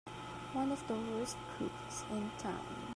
One of the worst crooks in town!